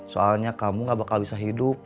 soalnya kamu gak bakal bisa hidup